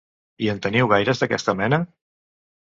I en teniu gaires d'aquesta mena?